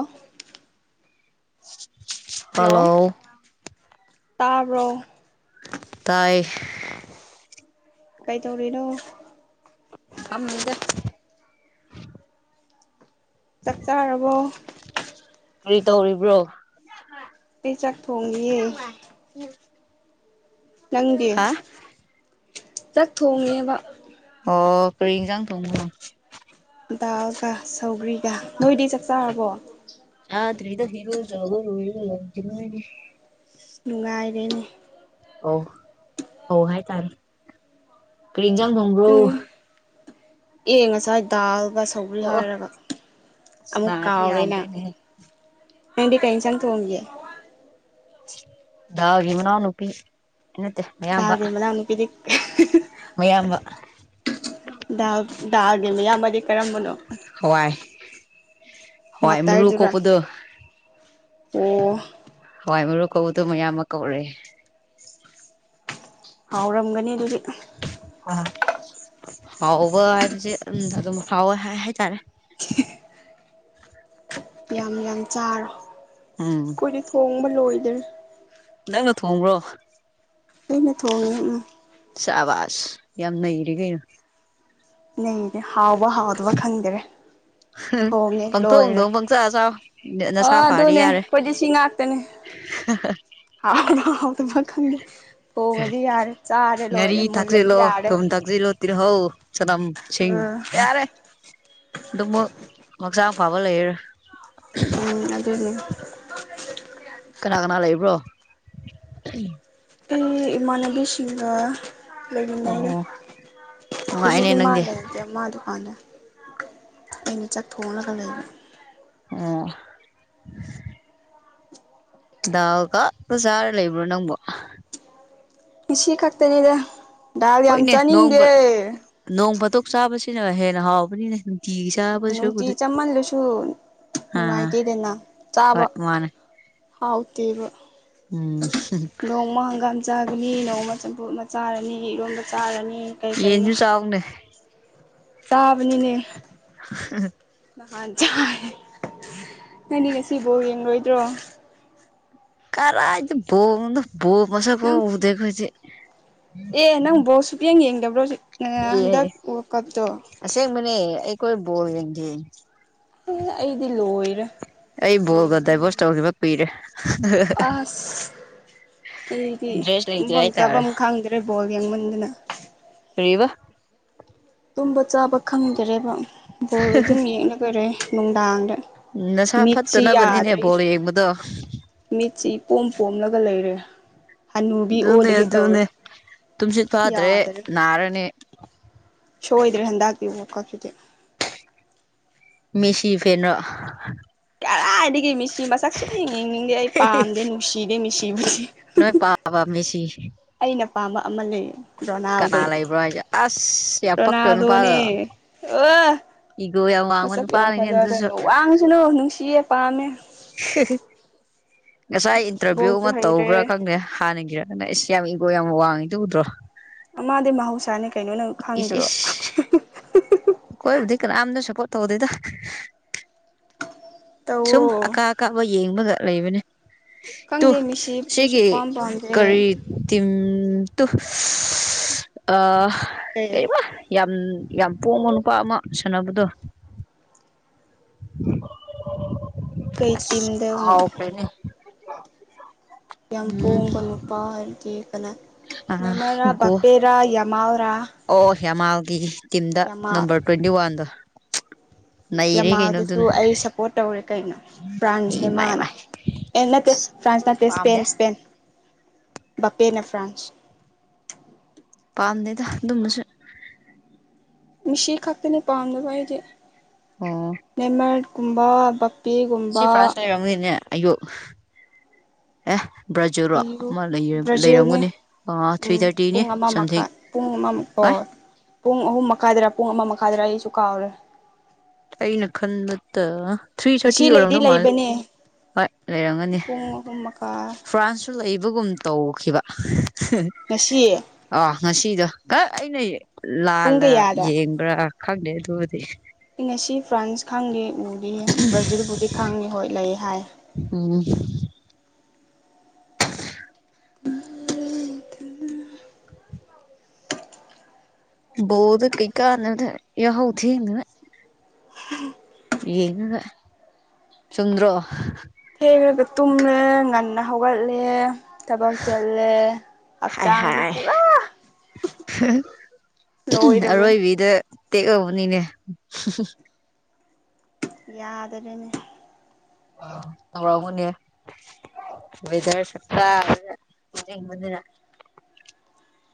ꯑꯣ [inaudible] ꯍꯂꯥꯎ ꯇꯥꯕ꯭ꯔꯣ ꯇꯥꯏ ꯀꯩ ꯇꯧꯔꯤꯅꯣ ꯐꯝꯃꯤꯗ [inaudible] ꯆꯥꯛ ꯆꯥꯔꯕꯣ ꯀꯔꯤ ꯇꯧꯔꯤꯕ꯭ꯔꯣ ꯄ ꯆꯠꯄꯣꯡꯒ ꯅꯪꯗꯦ ꯍꯥ ꯆꯥꯛ ꯊꯣꯡꯉꯦꯕ ꯑꯣ ꯀꯔꯤꯤꯡꯖꯥꯡ ꯊꯣꯡ ꯗꯥꯜꯒ ꯁꯧꯒ꯭ꯔꯤꯒ ꯅꯣꯏꯗꯤ ꯆꯥꯛ ꯆꯥꯔꯕꯣ ꯌꯥꯇ꯭ꯔꯤꯗ ꯍꯔꯖꯒꯔ ꯑꯁ ꯅꯨꯡꯉꯥꯏꯔꯦꯅꯦ ꯑꯣ ꯑꯣ ꯍꯥꯏꯇꯥꯔꯦ ꯀꯔꯤꯟꯖꯥꯡ ꯊꯣꯡꯕ꯭ꯔꯣ ꯌꯦ ꯉꯁ ꯍꯥꯏꯥꯏꯗ ꯕꯥ ꯁꯧꯕ꯭ꯔꯤ ꯑꯣ ꯍꯥꯏꯔꯕ ꯑꯁ ꯑꯃꯨꯛ ꯅꯥꯁꯤ ꯀꯥꯎꯔꯦꯅ ꯌꯥꯗ꯭ꯔꯦꯅꯦꯍꯦ ꯅꯗꯤ ꯄꯦꯟꯁꯟ ꯊ ꯍꯦ ꯗꯒꯤ ꯃꯅꯥ ꯅꯨꯄꯤ ꯦꯕꯅ ꯀꯗꯤ [inaudible] ꯃꯌꯥꯝꯕ ꯗꯗꯥꯒꯦ ꯃ ꯌꯥ ꯃ ꯍꯋꯥꯏ [inaudible] ꯍꯣꯏ ꯃꯨ ꯃꯇꯔꯗꯨꯔꯥ ꯀꯣꯀꯗ ꯑꯣ ꯍꯋꯥꯏ ꯃꯔꯣꯛ ꯀꯧꯕꯗꯨꯣ ꯃꯌꯥꯝ ꯑꯃ ꯀꯧꯔꯦ ꯍꯥꯎꯔꯝꯒꯅꯤ ꯑꯗꯨꯗꯤ ꯑ ꯍꯥꯎꯕ ꯍꯥꯏꯕꯁꯦ ꯑꯗꯨꯝ ꯍꯥꯎꯋꯦ ꯍꯥꯏ ꯍꯥꯏꯇꯥꯔꯦ ꯌꯥꯝ ꯌꯥꯝ ꯆꯥꯔ ꯎꯝ ꯀꯣꯏ ꯊꯣꯡꯕ ꯐꯣꯏꯗꯔ ꯅꯪꯅ ꯊꯣꯡꯕ꯭ꯔꯣ ꯑꯩꯅ ꯊꯣꯡꯉꯦ ꯑꯋꯥꯖ ꯌꯥꯝ ꯅꯔꯤꯒ ꯅꯅꯦ ꯍꯥꯎꯕ ꯍꯥꯎꯗꯕ ꯈꯪꯗ꯭ꯔꯦ ꯊꯣꯡꯉꯦ ꯂꯣꯏꯔꯦ ꯄꯪꯊꯣꯡꯗꯣꯡ ꯄꯪꯆꯥ ꯆꯥꯎ ꯑꯥ ꯅꯁꯥ ꯐꯔꯗꯤ ꯑꯗꯨꯅꯦ ꯌꯥꯔꯦ ꯑꯩꯈꯣꯏꯖꯤ ꯁꯤ ꯉꯥꯛꯇꯅꯦ ꯃ ꯈ ꯐꯣꯡꯣꯡꯕꯤ ꯌꯥꯔ ꯆꯥꯔ ꯂꯣꯏꯔ ꯉꯥꯔꯤ ꯃꯂꯕꯤ ꯌꯥꯔꯦ ꯆꯗꯝ ꯑ ꯁꯤꯡ ꯌꯥꯔꯦ ꯑꯗꯨꯃꯁꯥ ꯄꯕ ꯂꯩ ꯎꯝ ꯑꯗꯨꯅꯦ ꯀꯅꯥ ꯀꯅꯥ ꯂꯩꯕ꯭ꯔꯣ [unintelligible] ꯑꯩ ꯏꯃꯅꯒꯤ ꯁꯤꯁꯤꯡꯒ ꯂꯩꯗ ꯑꯣ ꯅꯨꯡꯉꯥꯏꯅꯦ ꯍꯧꯖꯤꯗꯤꯃꯥꯟ ꯅꯪꯗꯤ ꯂꯩꯗ ꯃꯥ ꯗꯨꯀꯥꯟ ꯑꯩꯅ ꯆꯠꯊꯣꯛꯅꯒ ꯂꯩꯅꯤ ꯑꯣ ꯗꯥꯎꯒ ꯖꯥꯔ ꯂꯩꯕ꯭ꯔꯣ ꯅꯪꯕꯨ ꯁꯤꯈꯥꯛꯇꯅꯦꯗ ꯗꯜ ꯌꯥꯝ ꯆꯥꯅꯤꯡꯗꯦ ꯇꯣꯛ ꯆꯥꯕꯁꯤꯅ ꯍꯦꯟꯅ ꯍꯥꯎꯕꯅꯤꯅꯦ ꯅꯨꯡꯇꯤꯒꯤ ꯎꯝ ꯆꯥꯕ ꯅꯨꯡꯇꯤ ꯁꯔꯨꯛꯄꯨꯗꯤ ꯆꯃꯜꯂꯁꯨ ꯑꯥ ꯅꯨꯡꯉꯥꯏꯇꯦꯗꯅ ꯆꯥꯕ ꯍꯣꯏ ꯃꯥꯅꯦ ꯍꯥꯎ ꯇꯕ ꯎꯝ ꯆꯥꯒꯅꯤ ꯅꯣꯡꯃ ꯆꯝ ꯑꯃ ꯆꯥꯔꯅꯤ ꯏꯔꯣꯟꯕ ꯆꯥꯔꯅꯤ ꯀꯩ ꯀꯩꯅꯣ ꯌꯦꯟꯁꯨ ꯆꯥꯎꯥꯅꯦ ꯆꯥꯕꯅꯤꯅꯦ [unintelligible] ꯅꯍꯥꯟ ꯆꯥꯏ ꯅꯪꯅꯤ ꯉꯁꯤꯐꯧ ꯌꯦꯡꯂꯣꯏꯗ꯭ꯔꯣ ꯀꯔꯗꯤ ꯄꯗ ꯕ ꯃꯁꯛꯄꯣ ꯅꯪ ꯎꯗꯈꯣꯏꯁꯦ ꯑꯦ ꯅꯪ ꯕ ꯁꯨꯄꯤꯌꯥ ꯌꯦꯡꯗꯕ ꯔꯣꯖꯤ ꯍꯥꯟꯗꯀꯞꯗꯣ [unintelligible] ꯑꯩꯔ ꯕꯣꯜꯒꯦ ꯑꯩꯗꯤ ꯂꯣꯏꯔꯦ ꯑꯩ ꯕꯣꯜꯒ ꯌꯦꯡ ꯗꯥꯏꯚꯣꯔꯁ ꯇꯧꯈꯤꯕ ꯀꯨꯏꯔꯦ ꯑꯁ ꯑꯩꯗꯤ ꯏꯟꯇꯔꯦꯁ ꯂꯩꯇꯦ ꯌꯨꯝꯐꯝ ꯍꯥꯏꯇꯥꯔꯦ ꯆꯥꯐꯝ ꯈꯪꯗ꯭ꯔꯦ ꯕꯣꯜ ꯌꯥꯡꯃꯟꯗꯅ ꯕ [unintelligible] ꯇꯨꯝꯕ ꯆꯥꯕ ꯈꯪꯗꯔꯦꯕ ꯕꯣꯜ ꯑꯗꯨ ꯌꯦꯉꯒꯥ ꯂꯩ ꯅꯨꯡꯗꯥꯡꯗ ꯎꯝ ꯅꯁꯥ ꯃꯤꯠꯁꯤ ꯐꯠꯇꯅꯕꯅꯤꯅꯦ ꯌꯥꯗ꯭ꯔꯦ ꯕꯣꯔ ꯌꯦꯡꯕꯗꯣ ꯄꯣꯝ ꯄꯣꯝꯂꯒ ꯂꯩꯔꯦ ꯍꯅꯨꯕꯤ ꯑꯗꯨꯅꯦ ꯑꯣꯜꯂꯒꯦ ꯇꯧꯔꯦ ꯑꯗꯨꯅꯦ ꯇꯨꯝꯁꯤꯠ ꯐꯥꯗ꯭ꯔꯦ ꯌꯥꯗꯔꯦ ꯅꯥꯔꯅꯤ ꯁꯣꯏꯗ꯭ꯔꯦ ꯍꯟꯗꯛꯇꯄꯤꯕꯨꯀꯛꯇꯨꯗꯤ ꯃꯤꯁꯤ ꯐꯅꯣ ꯇꯥꯔꯥꯏꯗꯤꯒ ꯃꯤꯁ ꯁꯤ ꯃꯁꯛ ꯁꯨꯝ ꯌꯦꯡꯉꯅꯤꯡꯗꯦ ꯑꯩ ꯄꯥꯝꯗꯦ ꯅꯨꯡꯁꯤꯔꯦ ꯃꯤ ꯁꯤ ꯅꯣꯏ ꯄꯥ ꯄ ꯃꯦꯁꯤ ꯑꯩꯅ ꯄꯥꯝꯕ ꯑꯃ ꯂꯩꯌꯦ ꯔꯣꯅꯥꯜꯗꯣ ꯀꯅꯥ ꯂꯩꯕ꯭ꯔꯣ ꯍꯥꯏꯁꯦ ꯑꯁ ꯌꯥꯝ ꯄꯛꯇꯣꯏ ꯔꯣꯅꯥꯜꯗꯣꯅꯦ ꯅꯨꯄꯥꯗꯣ ꯑ ꯏꯒꯣ ꯌꯥꯝ ꯋꯥꯡꯕ ꯃꯁꯛ ꯌꯥꯝ ꯅꯨꯄꯥꯅꯤꯅꯦ ꯐꯖꯑꯗ ꯑꯗꯨꯁꯨ ꯋꯥꯡꯉꯁꯤꯅꯨ ꯅꯨꯡꯁꯤꯌꯦ ꯄꯥꯝꯃꯦ ꯉꯁꯥꯏ ꯏꯟꯇꯔꯚꯤꯌꯨ ꯕꯣꯜꯁꯨ ꯑꯃ ꯍꯩꯔꯦ ꯇꯧꯕ꯭ꯔꯥ ꯈꯪꯗꯦ ꯍꯥꯟꯅ ꯑꯁ ꯌꯥꯝ ꯏꯒꯣ ꯌꯥꯝ ꯋꯥꯡꯉꯤꯗꯨ ꯎꯗ꯭ꯔꯣ ꯃꯥꯗꯤ ꯃꯍꯧꯁꯥꯅꯦ ꯀꯩꯅꯣ ꯅꯪ ꯏꯁ ꯈꯪꯗ꯭ꯔꯣ ꯏꯁ ꯑꯩꯈꯣꯏꯕꯨꯗꯤ ꯀꯅꯝꯇ ꯁꯞꯄꯣꯠ ꯊꯧꯗꯦꯗ ꯁꯨꯝ ꯇꯧꯋꯣ ꯑꯀꯥ ꯑꯀꯥꯕ ꯌꯦꯡꯕꯒ ꯂꯩꯕꯅꯦ ꯇꯣ ꯈꯪꯗꯦ ꯃꯤꯁꯤꯕꯨꯗꯤ ꯁꯤꯒꯤ ꯁꯨꯛꯄꯥꯝ ꯄꯥꯝꯗꯦ ꯀꯔꯤ ꯇꯤꯝ ꯇꯨ ꯑꯥ ꯀꯩ ꯀꯩꯕ ꯌꯥꯝ ꯌꯥꯝ ꯄꯣꯡꯕ ꯅꯨꯄꯥ ꯑꯃ ꯁꯥꯟꯅꯕꯗꯣ ꯑꯁ ꯀꯩꯇꯤꯗꯦꯅꯣ ꯀꯥꯎꯈ꯭ꯔꯦꯅꯦ ꯌꯥꯝ ꯎꯝ ꯄꯣꯕ ꯅꯨꯄꯥ ꯍꯥꯏꯗꯤ [unintelligible] ꯑꯥ ꯅꯃꯔꯥ ꯕꯄꯦꯔꯥ ꯌꯥꯃꯥꯜ ꯇꯔꯥ ꯐꯦꯃꯥꯜꯒꯤ ꯇꯤꯝꯗ ꯅꯝꯕꯔ ꯇ꯭ꯋꯦꯟꯇꯤ ꯋꯥꯟꯗꯣ ꯅꯩꯔꯦ ꯌꯥꯝꯃꯥꯗꯨꯁꯨ ꯀꯩꯅꯣꯗꯨꯅ ꯑꯩ ꯁꯞꯄꯣꯔꯠ ꯇꯧꯔꯦ ꯀꯩꯅꯣ ꯐ꯭ꯔꯥꯟꯁꯅꯦ ꯏꯃꯥꯏ ꯃꯥꯅ ꯃꯥꯏ ꯑꯦ ꯅꯠꯇꯦ ꯑꯁ ꯐ꯭ꯔꯥꯟꯁ ꯑꯗꯨꯁꯨ ꯅꯠꯇꯦ ꯏꯁꯄꯦꯟ ꯄꯥꯝꯗꯦ ꯏꯁꯄꯦꯟ ꯄꯦꯟꯅ ꯐ꯭ꯔꯥꯟꯁ ꯄꯥꯝꯗꯦꯗ ꯑꯗꯨꯃꯁꯨ ꯃꯤꯁꯤ ꯈꯛꯇꯅꯤ ꯄꯥꯝꯗꯕ ꯑꯩꯁꯦ ꯅ‌ꯦꯃꯔ ꯀꯨꯝꯕ ꯁꯤ ꯐ꯭ꯂꯥꯥꯁꯁ ꯋꯥꯉꯅꯦꯦ ꯑꯌꯌꯣ ꯑꯦ ꯕ꯭ꯔꯥꯖꯤꯜꯔꯣ ꯑꯩꯕꯨ ꯑꯃ ꯕ꯭ꯔꯥꯖꯤꯜꯅꯦ ꯂꯩꯔꯝꯒꯅꯤ ꯑꯥ ꯎ ꯊ꯭ꯔꯤ ꯊꯥꯔꯇꯤꯅꯤ ꯄꯨꯡ ꯑꯃ ꯁꯝꯊꯤꯡ ꯃꯈꯥꯏ ꯄꯨꯡ ꯑꯃ ꯑ ꯑꯣ ꯄꯨꯡ ꯑꯍꯨꯝ ꯃꯈꯥꯏꯗꯔ ꯄꯨꯡ ꯑꯃ ꯃꯈꯥꯏꯗꯔ ꯑꯩꯁꯨ ꯀꯨꯀꯥꯔ ꯑꯩꯅ ꯈꯟꯕꯠꯇ ꯊ꯭ꯔꯤ ꯊꯥꯔꯇꯤ ꯉꯁꯤ ꯂꯩꯗꯤ ꯑꯣꯏꯔꯝꯗꯧ ꯃꯥꯂꯦ ꯂꯩꯕꯅꯦ ꯍꯣꯏ ꯂꯩꯔꯝꯒꯅꯤ ꯄꯨꯡ ꯑꯍꯨꯝ ꯃꯈꯥꯏ ꯐ꯭ꯔꯥꯟꯁꯁꯨ ꯂꯩꯕꯒꯨꯝ ꯇꯧꯈꯤꯕ ꯉꯁꯤ [unintelligible] ꯉꯁꯤꯗ ꯀ ꯑꯩꯅ ꯄꯨꯡ ꯂꯥꯜꯂ ꯀꯌꯥꯗ ꯌꯦꯡꯕ꯭ꯔꯥ ꯈꯪꯗꯦ ꯑꯗꯨꯗꯤ ꯉꯥꯁꯤ ꯐ꯭ꯔꯥꯟꯁ ꯈꯪꯗꯦ ꯎꯗꯤ ꯕ꯭ꯔꯥꯖꯤꯜꯕꯨꯗꯤ ꯈꯪꯉꯤ ꯍꯣꯏ ꯂꯩ ꯍꯥꯏ ꯎꯝ [inaudible] [unintelligible] ꯕꯣꯜ ꯗ ꯀꯩ ꯀꯟꯗꯗꯥ ꯌꯥꯍꯧ ꯊꯦꯡ ꯉꯏ ꯎꯝ ꯌꯦꯉꯒ ꯆꯨꯝꯗꯔꯣ ꯊꯦꯡꯈꯔꯒ ꯇꯨꯝꯉꯦ ꯉꯟꯅ ꯍꯧꯒꯠꯂꯦ ꯊꯕꯛ ꯆꯜꯂꯦ ꯍꯥꯏ ꯍꯛꯆꯥꯡꯗꯤ ꯍꯥꯏ ꯄꯨꯔꯥ ꯂꯣꯏꯔꯕꯅꯦ ꯇꯦꯛ ꯎꯃ ꯃꯅꯤꯅꯦ ꯌꯥꯗꯔꯅꯦ ꯅꯤꯋꯦꯖꯔ ꯁ ꯃ [unintelligible] [inaudible]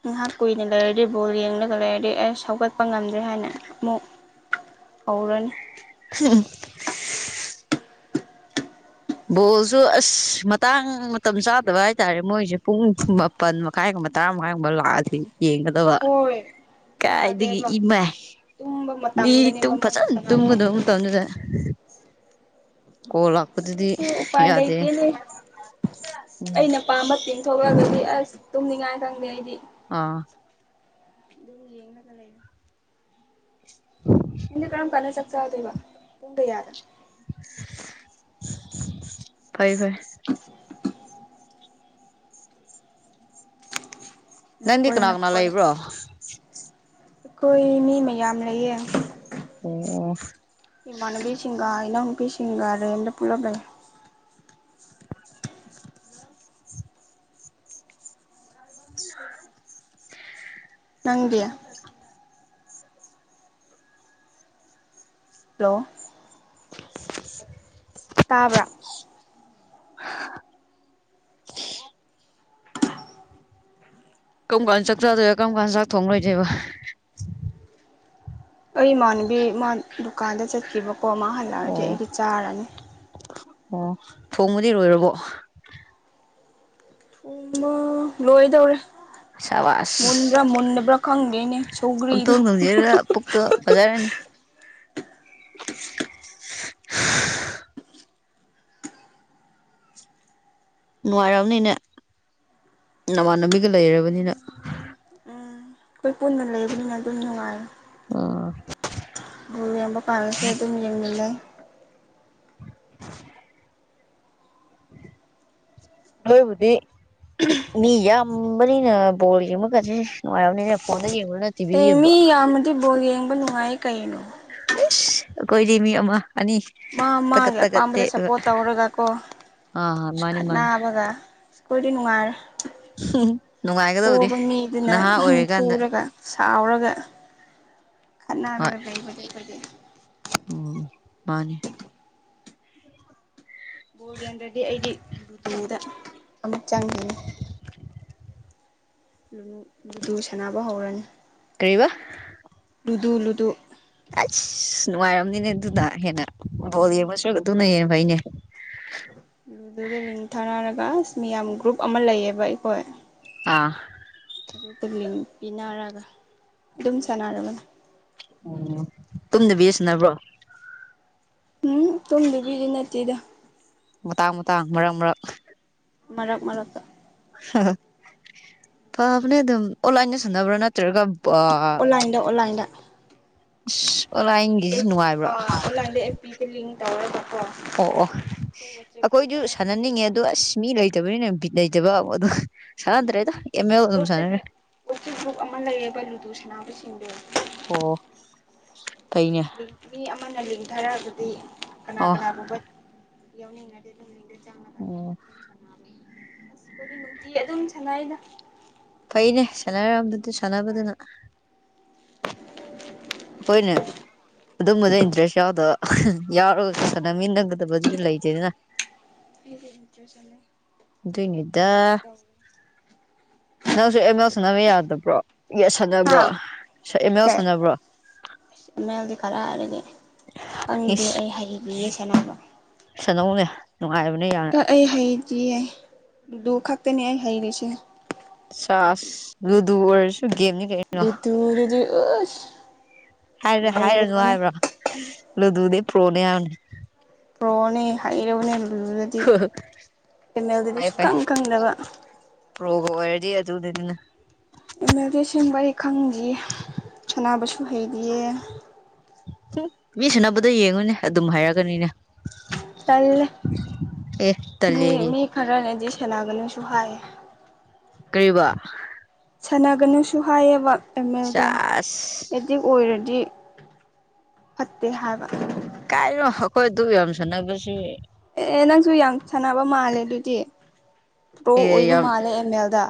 ꯉꯥꯏꯍꯥꯛ ꯀꯨꯏꯅ ꯂꯩꯔꯗꯤ ꯕꯣꯜ ꯌꯦꯡꯂꯒ ꯂꯩꯔꯗꯤ ꯑꯩꯁ ꯁꯧꯒꯠꯄ ꯉꯝꯗ꯭ꯔꯦ ꯍꯥꯏꯅ ꯑꯃꯨꯛ ꯍꯧꯔꯅꯤ [unintelligible] [inaudible] ꯕꯣꯜꯁꯨ ꯑꯁ ꯃꯇꯥꯡ ꯃꯇꯝ ꯆꯥꯗꯕ ꯍꯥꯏꯇꯥꯔꯦ ꯃꯣꯏꯁꯦ ꯄꯨꯡ ꯃꯥꯄꯟ ꯃꯈꯥꯏꯒꯨꯝꯕ ꯇꯔꯥ ꯃꯈꯥꯏꯒꯨꯝꯕ ꯂꯥꯛꯑꯗꯤ ꯌꯦꯡꯒꯗꯕ ꯍꯣꯏ ꯀꯥꯏꯗꯒꯤ ꯌꯥꯗꯦꯕ ꯏꯃꯥꯏ ꯇꯨꯝꯕ ꯃꯤ ꯇꯨꯝ ꯃꯇꯝꯗꯅꯦꯕ ꯃꯣꯏꯅ ꯐꯖꯅ ꯇꯨꯝꯒꯗꯕ ꯁꯥꯟꯅꯍꯧꯕꯗꯣ ꯃꯇꯝꯗꯨꯗ ꯑꯣꯂ [unintelligible] ꯑꯗꯨꯁꯨ ꯎꯄꯥꯏ ꯂꯩꯇꯦꯅꯦ ꯎꯝ ꯑꯩꯅ ꯄꯥꯝꯕ ꯇꯤꯝ ꯊꯣꯛꯂꯛꯒꯗꯤ ꯇꯨꯝꯅꯤꯡꯉꯥꯏ ꯈꯪꯗꯦ ꯑꯩꯗꯤ ꯑꯥ ꯑꯗꯨꯕꯨ ꯌꯦꯡꯒ ꯂꯩꯅ ꯍ ꯀꯩꯅꯝ ꯀꯂ ꯆꯠ [unintelligible] ꯆꯥꯗꯣꯏꯕ ꯄꯨꯡ ꯀꯌꯥ [inaudible] [unintelligible] ꯐꯔꯦ ꯐꯔꯦ ꯅꯟꯗꯤ ꯅꯈꯣꯏ ꯀꯅꯥꯒꯅꯥ ꯂꯩꯕ꯭ꯔꯣ ꯀꯣꯏ ꯃꯤ ꯃꯌꯥꯝ ꯂꯩꯌꯦ ꯑꯣ ꯏꯃꯅꯕꯤꯁꯤꯒꯥ ꯏꯅꯥꯎ ꯅꯨꯄꯤ ꯁꯤꯟꯒ ꯇꯦꯟꯠ ꯄꯨꯂꯞ ꯂꯩꯌꯦ ꯅꯪꯗꯤ ꯍꯂꯣ ꯇꯥꯕ꯭ꯔꯥ [inaudible] [unintelligible] ꯀꯔꯝ ꯀꯥꯟꯗ ꯆꯥꯛ ꯆꯥꯗꯣꯏ ꯀꯔꯝ ꯀꯥꯟꯗ ꯆꯥꯛ ꯊꯣꯡꯂꯣꯏ ꯗꯣꯏꯕ ꯑꯩ ꯏꯃꯥꯟꯅꯕꯤ ꯏꯃ ꯗꯨꯀꯥꯟꯗ ꯆꯠꯈꯤꯕ ꯑꯄꯣ ꯑꯃꯥ ꯍꯜꯂꯛꯑꯗꯤ ꯑꯣ ꯑꯩꯗꯤ ꯆꯥꯔꯅꯤ ꯑꯣ ꯑꯣꯃ ꯂꯣꯏꯗꯧꯔꯦ ꯁꯕꯥꯁ ꯃꯨꯟꯕ꯭ꯔꯥ ꯃꯨꯟꯗꯕ꯭ꯔꯥ ꯈꯪꯗꯦꯅꯦ ꯁꯧꯒ꯭ꯔꯤꯗꯣ ꯌꯨꯝꯊꯣꯡ ꯊꯣꯡꯁꯤꯔꯒ ꯄꯨꯛꯇꯣ ꯐꯖꯔꯅꯤ ꯅꯨꯡꯉꯥꯏꯔꯑꯔꯕꯅꯤꯅꯦ ꯅꯃꯥꯟꯅꯕꯤꯒ ꯂꯩꯔꯕꯅꯤꯅ ꯑꯩꯈꯣꯏ ꯄꯨꯟꯅ ꯂꯩꯕꯅꯤꯅ ꯑꯗꯨꯝ ꯅꯨꯡꯉꯥꯏ ꯑꯣ ꯕꯨ ꯌꯥꯝꯕ ꯄꯔꯁꯨ ꯑꯗꯨꯨꯝ ꯌꯦꯡꯃꯤꯉꯏ [unintelligible] [inaudible] ꯅꯣꯏꯕꯨꯗꯤ ꯃꯤ ꯌꯥꯝꯕꯅꯤꯅ ꯕꯣꯜ ꯌꯦꯡꯕ ꯀꯁꯤ ꯅꯨꯡꯉꯥꯏꯔꯕꯅꯤꯅ ꯐꯣꯟꯗ ꯌꯦꯡꯕ ꯑꯦ ꯃꯤ ꯌꯥꯝꯃꯗꯤ ꯕꯣꯜ ꯌꯦ ꯅꯨꯉꯥꯏ ꯀꯩꯩꯅꯣ ꯎꯁ ꯑꯈꯣꯏꯗꯤꯃꯤ ꯑꯃ ꯑꯅꯤ ꯃꯥ ꯇꯒꯠ ꯃꯥꯒꯤ ꯇꯒꯠ ꯑꯄꯥꯝꯕꯗ ꯇꯦꯛꯑꯒ ꯁꯞꯄꯣꯔꯠ ꯇꯧꯔꯒꯀꯣ ꯑꯥ ꯃꯥꯅꯦ ꯃꯥꯅꯦ ꯈꯠꯅꯕꯒ ꯑꯈꯣꯢꯗꯤ ꯅꯨꯡꯉꯥꯔꯦ ꯅꯨꯡꯉꯥꯏꯒꯗꯕꯗꯤ ꯅꯍꯥ ꯑꯣꯏꯔꯤꯀꯥꯟꯗ ꯊꯥꯎꯔꯒ ꯍꯣꯏ ꯀꯅꯥꯔꯒ ꯂꯩꯕꯅꯦ ꯑꯈꯣꯢꯗꯤ ꯎꯝ ꯃꯥꯅꯤ ꯕꯨ ꯂꯩꯔꯝꯗ꯭ꯔꯗꯤ ꯑꯩꯗꯤ ꯕꯨꯗ ꯑꯃꯨꯛ ꯆꯪꯒꯤꯅꯤ ꯎꯝꯗꯨ ꯁꯥꯟꯅꯕ ꯍꯧꯔꯅꯤ ꯀꯔꯤ ꯕꯥ ꯂꯨꯗꯨ ꯂꯨꯗꯨ ꯑꯁ ꯅꯨꯡꯉꯥꯏꯔꯝꯅꯤꯅꯦ ꯑꯗꯨꯗ ꯍꯦꯟꯅ ꯕꯣꯜ ꯎꯝ ꯌꯦꯡꯕ ꯁꯔꯨꯛ ꯑꯗꯨꯅ ꯌꯦꯡꯕꯩꯅꯦ ꯗ ꯂ ꯊꯥꯅꯔꯒ ꯑꯁ ꯃꯤꯌꯥꯝ ꯒ꯭ꯔꯨꯞ ꯑꯃ ꯂꯩꯌꯦꯕ ꯑꯩꯈꯣꯏ ꯑꯥ ꯑꯗꯨꯇꯔꯦꯡ ꯄꯤꯅꯔꯒ ꯑꯗꯨꯝ ꯁꯥꯟꯅꯔꯕꯅꯦ ꯎꯝ ꯇꯨꯝꯗꯕꯤꯁꯤꯅꯕ꯭ꯔꯣ ꯎꯝ ꯇꯨꯝꯗꯨꯕꯤꯗꯤ ꯅꯠꯇꯦꯗ ꯃꯇꯥꯡ ꯃꯇꯥꯡ ꯃꯔꯛ ꯃꯔꯛ ꯃꯔꯛ ꯃꯔꯛꯇ ꯑ ꯄꯥꯕꯅꯦ ꯑꯗꯨꯝ ꯑꯣꯟꯂꯥꯏꯟꯗ ꯁꯨꯅꯕ꯭ꯔꯥ ꯅꯠꯇ꯭ꯔꯒ ꯑꯥ ꯑꯣꯟꯂꯥꯏꯟꯗ ꯑꯣꯟꯂꯥꯏꯟꯗ ꯏꯁ ꯑꯣ ꯂꯥꯏꯟꯒꯤꯁꯤ ꯅꯨꯡꯉꯥꯏꯕ꯭ꯔꯣ ꯇꯔ ꯑꯣ ꯑꯣ ꯑꯩꯈꯣꯏꯗꯨ ꯑꯃꯁꯨ ꯁꯥꯟꯅꯅꯤꯡꯉꯦ ꯂꯩꯌꯦꯕ ꯑꯣ ꯑꯁ ꯃꯤ ꯂꯩꯇꯕꯅꯤꯅ ꯕꯤꯠ ꯂꯩ ꯇꯕ ꯑꯗꯨ ꯎ ꯂꯨꯞꯇ ꯎꯆ ꯭ꯔꯨꯞ ꯑꯃ ꯂꯩꯌꯦ ꯜꯂꯨ ꯇꯨꯁꯅꯥꯕꯨ ꯁꯤꯗ ꯑꯣ ꯐꯩꯅꯦ [unintelligible] ꯑꯃꯅ ꯂꯤꯡꯊꯔꯛꯑꯒꯗꯤ ꯀꯅꯥ ꯑꯣ ꯀꯅꯥꯒꯨꯝꯕꯥ ꯌꯧꯅꯤꯡ ꯑ ꯑꯗꯨ ꯑꯣ ꯑꯥꯁ ꯀꯗꯤ ꯅꯨꯡꯇꯤ ꯑꯗꯨꯝ ꯁꯉꯗ ꯐꯩꯅꯦ ꯆꯅꯥꯔꯝꯕꯗꯤ ꯁꯅꯥꯕꯗꯨꯅ ꯍꯈꯣꯏꯅꯦ ꯑꯗꯨꯝꯕꯗ ꯏꯟꯇꯔꯦꯁ ꯌꯥꯎꯗꯕ ꯌꯥꯔꯣꯁꯨ ꯁꯥꯟꯅꯃꯤ ꯅꯪꯒꯗꯕꯗꯨꯁꯨ ꯂꯩꯇꯦꯗꯅ ꯑꯩꯗꯤ ꯏꯟꯇꯔꯦꯁ ꯑꯃ ꯑꯗꯨꯏꯅꯤꯗ ꯑꯦꯗꯤꯛ ꯇꯧꯋꯦ ꯅꯪꯁꯨ ꯑ ꯃꯎ ꯁꯅꯕ ꯌꯥꯗꯕ꯭ꯔꯣ ꯍꯥ ꯁꯥꯟꯅꯕ꯭ꯔꯣ ꯑꯃ ꯂꯜ ꯁꯥꯟꯅꯕ꯭ꯔꯣ ꯃꯦꯜꯗꯤ ꯈꯔ ꯍꯥꯏꯔꯒꯦ ꯈꯪꯗꯦ ꯑꯩ ꯍꯩꯈꯤ ꯀ ꯁꯅꯧꯒ ꯑ ꯑꯩ ꯍꯩꯗꯤ ꯌꯥꯏ ꯑꯗꯨ ꯈꯛ ꯅ ꯍꯥꯏꯩꯔꯤꯕꯁꯤ ꯆꯥꯁ ꯂꯨꯗꯔ ꯁ ꯒꯦꯝꯅꯤ ꯀꯛꯔꯤꯅꯣ ꯂꯨꯗꯨꯗꯗꯤ ꯑꯁ ꯍꯥꯏꯔ ꯍꯥꯏꯔꯅꯨ ꯂꯩꯔꯕꯅꯤ ꯍꯥꯏꯕ꯭ꯔꯣ ꯂꯗꯨꯗ ꯄꯣꯂꯅ ꯔꯣꯅꯦ ꯍꯥꯏꯩꯔꯕꯅꯦ ꯑꯗꯨꯗꯤ ꯀꯦꯃꯦꯜꯗꯗꯤ ꯁꯨꯈꯪ ꯈꯪꯗꯕ ꯄ꯭ꯔꯣꯒꯔꯗꯤ ꯑꯗꯨ ꯑꯗꯨꯅ ꯑꯦꯝ ꯑꯦꯜ ꯑꯦꯁꯤꯡꯕ ꯑꯩ ꯈꯪꯗꯌꯦ ꯁꯅꯕꯁꯨ ꯍꯩꯔꯤꯌꯦ ꯃꯤ ꯁꯨꯅꯕꯗꯣ ꯌꯦꯡꯉꯨꯅꯦ ꯑꯗꯨꯝ ꯍꯥꯏꯔꯛꯒꯅꯤꯅꯦ ꯇꯜꯂꯦ ꯑꯦ ꯃꯤ ꯇꯜꯂꯦꯌꯦ ꯃꯤ ꯈꯔꯅꯦꯗꯤꯁ ꯂꯒꯅ ꯁꯍꯥꯏ ꯀꯔꯤꯕ ꯁꯥꯟꯅꯒꯅꯨꯁꯨ ꯍꯥꯏꯌꯦꯕ ꯑꯦꯝ ꯑꯦꯜꯗꯣ ꯆꯥꯁ ꯀꯇ ꯑꯣꯏꯔꯦꯅꯤ [unintelligible] ꯐꯠꯇꯦ ꯍꯥꯏꯕ ꯀꯥꯏꯅꯣ ꯑꯩꯈꯣꯏ ꯑꯗꯨ ꯌꯥꯝ ꯁꯥꯟꯅꯕꯁꯤ ꯑꯦ ꯅꯪꯁꯨ ꯌꯥꯝ ꯁꯥꯟꯅꯕ ꯃꯥꯜꯂꯦ ꯑꯗꯨꯗꯤ ꯄ꯭ꯔꯣ ꯑꯣꯏꯕ ꯃꯥꯜꯂꯦ ꯑꯦꯝ ꯑꯦꯜꯗ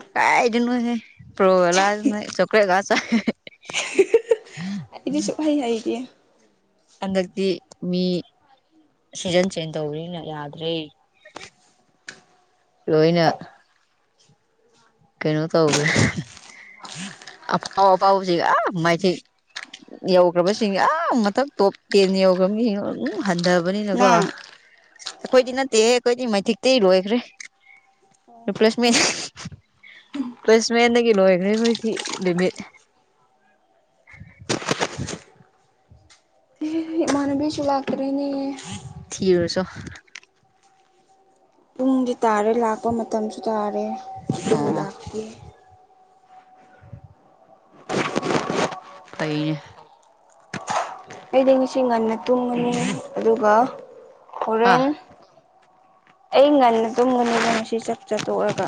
ꯑꯗꯨꯅꯦ ꯄ꯭ꯔꯣꯂ ꯆꯈꯂꯦꯒꯥꯁ [unintelligible] [unintelligible] ꯑꯗꯨꯅꯤ ꯁꯨꯛꯍꯧ ꯍꯩꯇꯦ꯫ ꯍꯟꯗꯛꯇꯤ ꯃꯤ ꯁꯤꯖꯟ ꯆꯦꯟ ꯇꯧꯕꯅꯤꯅ ꯌꯥꯗ꯭ꯔꯦ ꯂꯣꯏꯅ꯫ ꯀꯩꯅꯣ ꯇꯧꯈ꯭ꯔꯦ ꯑꯐꯥꯎ ꯑꯐꯥꯎꯕꯁꯤꯡ ꯑꯥ ꯃꯥꯏꯊꯤꯛ ꯌꯧꯒ꯭ꯔꯕꯁꯤꯡ ꯑꯥ ꯃꯊꯛ ꯇꯣꯞ ꯇꯦꯟ ꯌꯧꯒ꯭ꯔꯕ ꯃꯤ [unintelligible] ꯍꯟꯗꯕꯅꯤꯅꯀꯣ ꯅꯪ ꯑꯩꯈꯣꯏꯗꯤ ꯅꯠꯇꯦꯍꯦ ꯑꯩꯈꯣꯏꯗꯤ ꯃꯥꯏꯊꯤꯇꯩ ꯂꯣꯏꯒ꯭ꯔꯦ ꯔꯤꯄ꯭ꯂꯦꯁꯃꯦꯟ ꯔꯤꯄ꯭ꯂꯦꯁꯃꯦꯟꯗꯜꯤ ꯂꯣꯏꯜ꯭ꯔꯦ ꯑꯩꯈꯣꯏꯗꯤ ꯂꯩꯃꯤꯠ꯫ ꯍꯅꯕꯤꯁꯨ ꯂꯥꯛ [unintelligible] ꯊꯤꯔꯁꯨ ꯄꯨꯡꯗꯤ ꯇꯥꯔꯦ ꯂꯥꯛꯄ ꯃꯇꯝꯁꯨ ꯇꯥꯔꯦ꯫ [unintelligible] ꯑꯣ ꯂꯥꯛꯀꯦ꯫ ꯐꯩꯩꯌꯦ꯫ ꯑꯩꯗꯤ ꯉꯁꯤ ꯉꯟꯅ ꯇꯨꯝꯃꯅꯤ ꯑꯗꯨꯒ ꯍꯥ ꯍꯣꯔꯦꯟ ꯑꯩ ꯉꯟꯅ ꯇꯨꯝꯒꯅꯤꯕ ꯉꯁꯤ ꯆꯥꯛ ꯆꯥꯊꯣꯛꯑꯒ꯫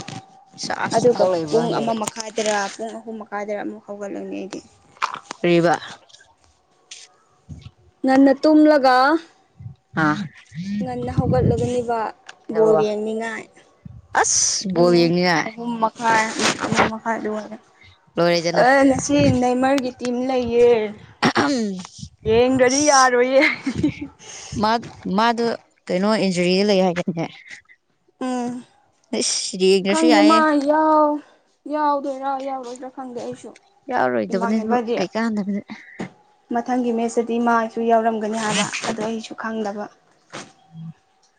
ꯁꯥꯁ ꯑꯗꯨꯒ ꯊꯕꯛ ꯂꯩꯕ꯭ꯔꯣ ꯄꯨꯡ ꯑꯃ ꯍꯌꯦꯡ ꯃꯈꯥꯏꯗꯔꯥ ꯄꯨꯡ ꯑꯍꯨꯝ ꯃꯈꯥꯏꯗ ꯑꯃꯨꯛ ꯍꯧꯒꯠꯂꯅꯤ ꯑꯩꯗꯤ꯫ ꯀꯔꯤꯕꯥ꯫ ꯉꯟꯅ ꯇꯨꯝꯃꯒ ꯑ ꯉꯟꯅ ꯍꯧꯒꯠꯂꯒꯅꯤꯕ ꯕꯣꯜ ꯀꯩꯗꯧꯔꯕ ꯌꯦꯡꯅꯤꯉꯥꯏ ꯑꯁ ꯕꯣꯜ ꯄꯨꯡ ꯌꯦꯡꯅꯤꯡꯉꯥꯏ ꯑꯍꯨꯝ ꯃꯈꯥꯏ ꯑꯃ ꯃꯈꯥꯏ ꯑꯗꯨ ꯑꯣꯏ ꯂꯣꯏꯔꯦꯗꯅ ꯑ ꯉꯁꯤ ꯅꯦꯃꯥꯔꯒꯤ ꯇꯤꯝ [unintelligible] ꯌꯦꯡꯗ꯭ꯔꯗꯤ ꯌꯥꯔꯣꯏꯌꯦ [unintelligible] ꯃꯥ ꯃꯥꯗꯣ ꯀꯩꯅꯣ ꯏꯟꯖꯨꯔꯤ ꯂꯩ ꯍꯥꯏꯗꯥꯏꯅꯦ꯫ ꯎꯝ꯫ ꯈꯪꯗꯦ ꯃꯥ ꯌꯥꯏꯌꯦ ꯌꯥꯎ ꯌꯥꯎꯗꯣꯏꯔꯥ ꯌꯥꯎꯔꯣꯏꯗ꯭ꯔꯥ ꯈꯪꯗꯦ ꯑꯩꯁꯨ꯫ ꯌꯥꯎꯔꯣꯏꯗꯕꯅꯦꯕꯨ ꯏꯃꯥꯟꯅꯕꯗꯤ ꯀꯩ ꯀꯥꯟꯗꯕꯅꯦ꯫ ꯃꯊꯪꯒꯤ ꯃꯦꯠꯁꯇꯗꯤ ꯃꯥꯁꯨ ꯌꯥꯎꯔꯝꯒꯅꯤ ꯍꯥꯏꯕ ꯑꯗꯣ ꯑꯩꯁꯨ ꯈꯪꯗꯕ [unintelligible] [inaudible]